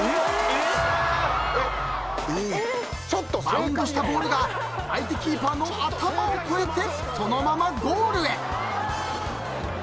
［バウンドしたボールが相手キーパーの頭を越えてそのままゴールへ］